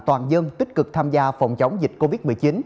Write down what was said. của người dân tích cực tham gia phòng chống dịch covid một mươi chín